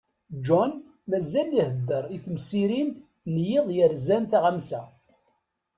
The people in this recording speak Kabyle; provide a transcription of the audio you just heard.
John mazal-t iḥeddeṛ i temsirin n yiḍ yerzan taɣamsa.